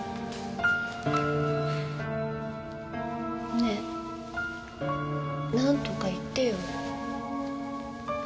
ねえなんとか言ってよ。